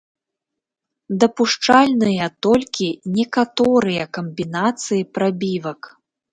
Дапушчальныя толькі некаторыя камбінацыі прабівак.